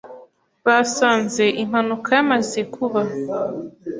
basanze impanuka yamaze kuba